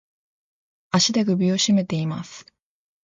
足で首をしめています。